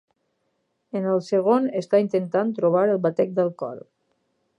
En el segon, està intentant trobar el batec del cor.